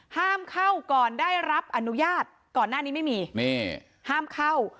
ห้ามเข้าก่อนได้รับอนุญาตก่อนหน้านี้ไม่มีนี่ห้ามเข้า